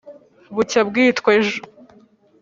Bucya bwitwa ejo.